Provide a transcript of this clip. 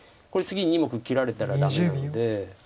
これ次に２目切られたらダメなので。